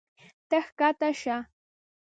ته ښکته شه.